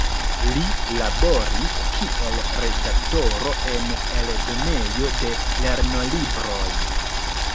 Li laboris kiel redaktoro en eldonejo de lernolibroj.